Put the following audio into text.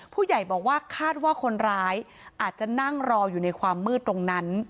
ผู้ใหญ่บอกว่าคาดว่าคนร้ายอาจจะนั่งรออยู่ในความมืดตรงนั้น